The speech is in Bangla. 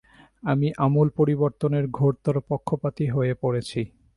আমি আমূল পরিবর্তনের ঘোরতর পক্ষপাতী হয়ে পড়েছি।